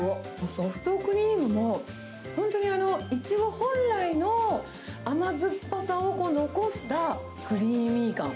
ソフトクリームも、本当にイチゴ本来の甘酸っぱさを残したクリーミー感。